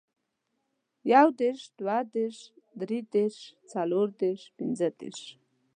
يو دېرش، دوه دېرش، دري دېرش ، څلور دېرش، پنځه دېرش،